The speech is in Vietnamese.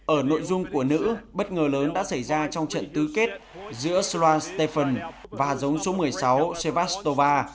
ở nội dung của nữ bất ngờ lớn đã xảy ra trong trận tứ kết giữa sloane stephens và hạt giống số một mươi sáu sevastova